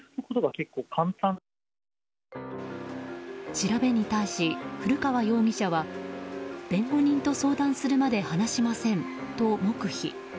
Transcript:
調べに対し、古川容疑者は弁護人と相談するまで話しませんと黙秘。